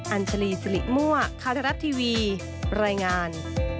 อัญจารีสลิม่วะคัทรัฐทีวีรายงาน